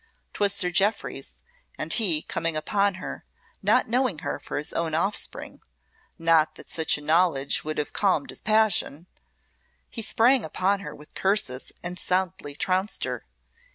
'Twas Sir Jeoffry's, and he, coming upon her, not knowing her for his own offspring (not that such a knowledge would have calmed his passion), he sprang upon her with curses and soundly trounced her.